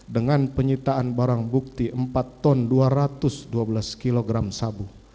dengan penyitaan barang bukti empat ton dua ratus dua belas kg sabu